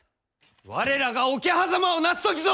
我らが桶狭間をなす時ぞ！